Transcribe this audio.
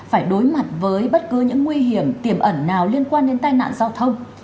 phải đối mặt với bất cứ những nguy hiểm tiềm ẩn nào liên quan đến tai nạn giao thông